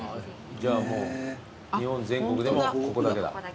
じゃあもう日本全国でもここだけだ。